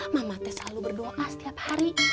mama tuh selalu berdoa setiap hari